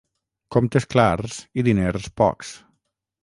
Comptes clars i diners pocs.